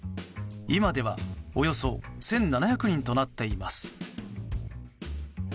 今では、およそ１７００人となっています。